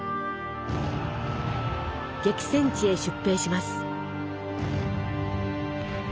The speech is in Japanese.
激戦地へ出兵します。